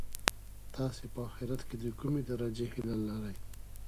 تاسي په اخیرت کي د کومې درجې هیله لرئ؟